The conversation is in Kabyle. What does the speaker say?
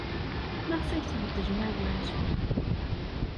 Maɣef ay tbeddlem awal?